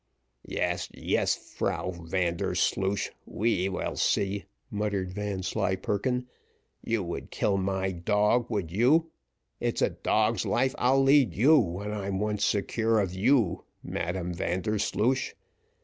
"Yes, yes, Frau Vandersloosh, we will see," muttered Vanslyperken; "you would kill my dog, would you? It's a dog's life I'll lead you when I'm once secure of you, Madame Vandersloosh.